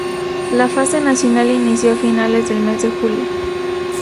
La Fase Nacional inició a finales del mes de julio.